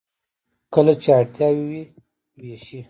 کله چې اړتیا وي و یې ویشي.